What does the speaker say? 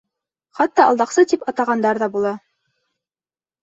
Хатта алдаҡсы тип атағандар ҙа була.